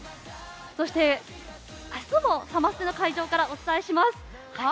そして、明日もサマステの会場からお伝えします！